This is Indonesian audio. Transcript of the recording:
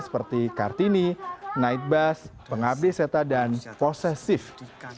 seperti kartini night bus pengabdi seta dan posesif